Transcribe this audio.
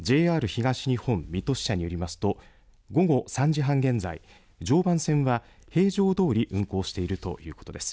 ＪＲ東日本水戸支社によりますと午後３時半現在、常磐線は平常どおり運行しているということです。